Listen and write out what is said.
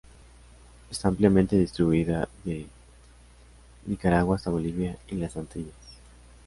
Está ampliamente distribuida des Nicaragua hasta Bolivia y las Antillas.